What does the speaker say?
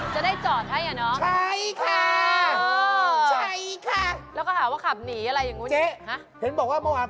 ฉันโดนตรวจจับ